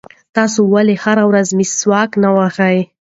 تاسې ولې هره ورځ مسواک نه وهئ؟